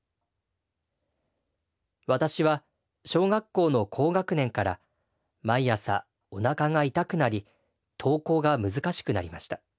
私は小学校の高学年から毎朝おなかが痛くなり登校が難しくなりました。